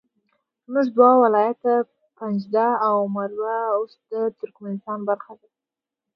زموږ دوه ولایته پنجده او مروه اوس د ترکمنستان برخه ده